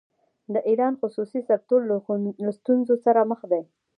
د ایران خصوصي سکتور له ستونزو سره مخ دی.